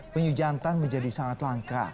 penyu jantan menjadi sangat langka